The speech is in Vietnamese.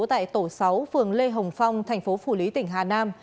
tại tổ sáu phường lê hồng phong thành phố phủ lý tỉnh hà nam